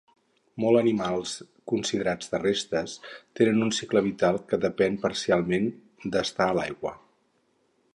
Molt animals considerats terrestres tenen un cicle vital que depèn parcialment d’estar a l’aigua.